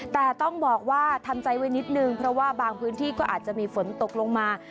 แต่ต้องบอกว่าทำใจไว้นิดนึงเพราะว่าบางพื้นที่ก็อาจจะมีฝนตกลงมา